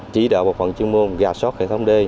chỉ đạo bộ phận chuyên môn gasot hệ thống d